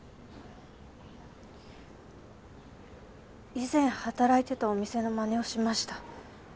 以前働いてたお店のまねをしました。